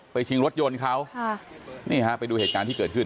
ชิงรถยนต์เขาค่ะนี่ฮะไปดูเหตุการณ์ที่เกิดขึ้น